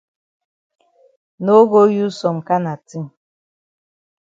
No go use some kana tin.